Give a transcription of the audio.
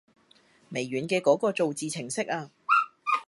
微軟嘅嗰個造字程式啊